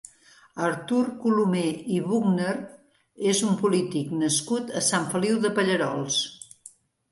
Artur Colomer i Buchner és un polític nascut a Sant Feliu de Pallerols.